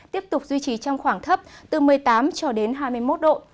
tiếp tục duy trì trong khoảng thấp từ một mươi tám cho đến hai mươi một độ